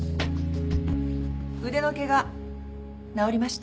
腕のケガ治りました？